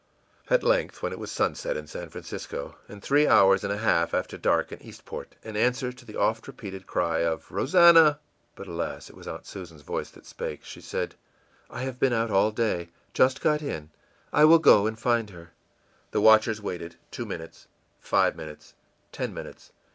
At length, when it was sunset in San Francisco, and three hours and a half after dark in Eastport, an answer to the oft repeated cry of ìRosannah!î But, alas, it was Aunt Susan's voice that spake. She said: ìI have been out all day; just got in. I will go and find her.î The watchers waited two minutes five minutes ten minutes.